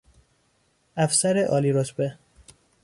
افسر عالیرتبه